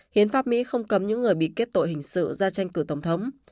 hiến pháp mỹ không cấm những người bị kết tội hình sự ra tranh cử tổng thống